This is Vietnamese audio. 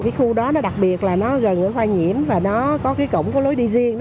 cái khu đó nó đặc biệt là nó gần cái hoa nhiễm và nó có cái cổng có lối đi riêng